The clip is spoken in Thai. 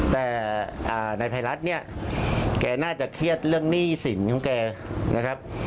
แต่นายภัยรัฐเนี่ยแกน่าจะเครียดเรื่องหนี้สินของแกนะครับ